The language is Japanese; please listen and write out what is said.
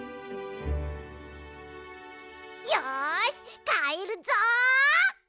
よしかえるぞ！